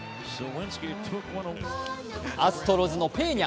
アストロズのペーニャ。